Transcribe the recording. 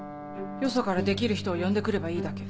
よそからできる人を呼んで来ればいいだけ。